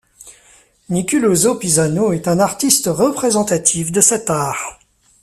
Niculoso Pisano est un artiste représentatif de cet art.